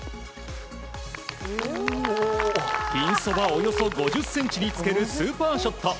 およそ５０ｃｍにつけるスーパーショット。